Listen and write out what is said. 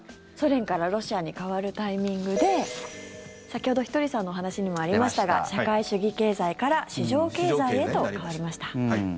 ソ連からロシアに変わるタイミングで先ほど、ひとりさんのお話にもありましたが社会主義経済から市場経済へと変わりました。